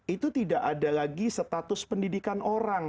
itu tidak ada lagi status pendidikan orang